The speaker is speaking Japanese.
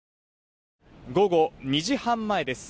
午後２時半前です。